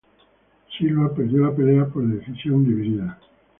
Silva perdió la pelea por decisión dividida.